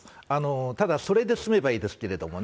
ただ、それで済めばいいですけどね。